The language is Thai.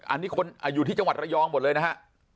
อันนี้คนอยู่ที่จังหวัดระยองหมดเลยนะฮะ